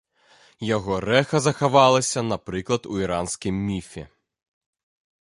Яго рэха захавалася, напрыклад, у іранскім міфе.